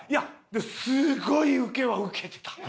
すごいウケはウケてた。